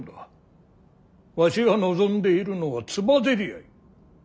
わしが望んでいるのはつばぜり合い。